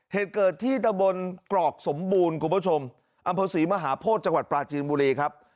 เหตุเกิดที่ตะบนกรอกสมบูรณ์คุณผู้ชมอำเภอศรีมหาโพธิจังหวัดปลาจีนบุรีครับ